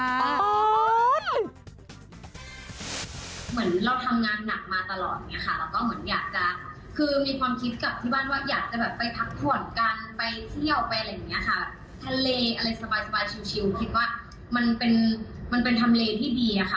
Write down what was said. เหมือนเราทำงานหนักมาตลอดอย่างนี้ค่ะ